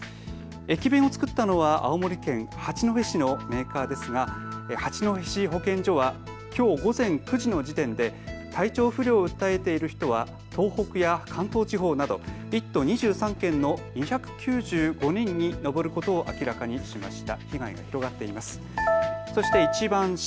駅弁を作ったのは青森県八戸市のメーカーですが八戸市保健所はきょう午前９時の時点で体調不良を訴えている人は東北や関東地方など１都２３県の２９５人に上ることを明らかにしました。